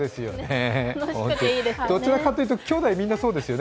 どちらかというときょうだいみんなそうですよね。